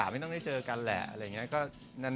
ไม่ต้องได้เจอกันแหละอะไรอย่างนี้